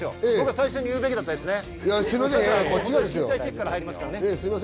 最初に言うべきだったんですよね。